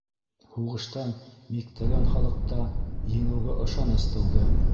Һуғыштан миктәгән халыҡта еңеүгә ышаныс тыуҙы.